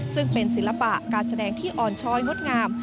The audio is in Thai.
ซึ่งเป็นศิลปะการแสดงที่อ่อนช้อยงดงาม